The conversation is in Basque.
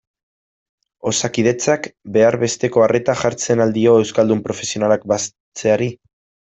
Osakidetzak behar besteko arreta jartzen al dio euskaldun profesionalak batzeari?